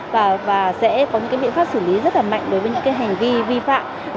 và sẽ có những biện pháp xử lý rất là mạnh đối với những hành vi vi phạm